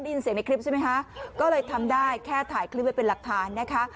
ได้ยินเสียงในคลิปใช่ไหมคะก็เลยทำได้แค่ถ่ายคลิปไว้เป็นหลักฐานนะคะ